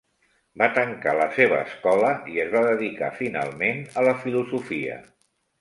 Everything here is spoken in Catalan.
Va tancar la seva escola i es va dedicar finalment a la filosofia.